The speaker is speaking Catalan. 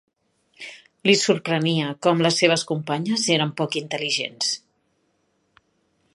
Li sorprenia com les seves companyes eren poc intel·ligents.